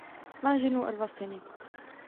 Má ženu a dva syny.